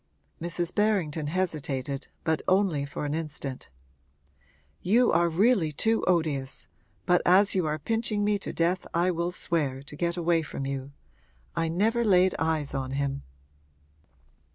Mrs. Berrington hesitated, but only for an instant. 'You are really too odious, but as you are pinching me to death I will swear, to get away from you. I never laid eyes on him.'